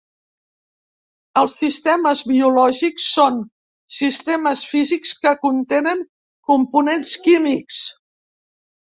Els sistemes biològics són sistemes físics que contenen components químics.